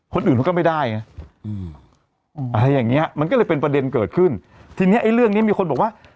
คนอื่นเขาก็ไม่ได้ไงอืมอะไรอย่างเงี้ยมันก็เลยเป็นประเด็นเกิดขึ้นทีเนี้ยไอ้เรื่องนี้มีคนบอกว่า